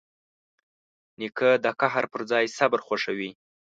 نیکه د قهر پر ځای صبر خوښوي.